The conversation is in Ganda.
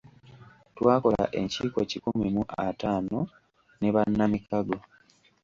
Twakola enkiiko kikumi mu ataano ne bannamikago.